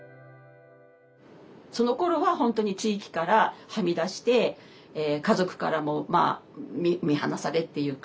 そのころは本当に地域からはみ出して家族からも見放されっていうか